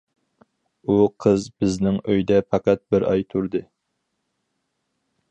ئۇ قىز بىزنىڭ ئۆيدە پەقەت بىر ئاي تۇردى.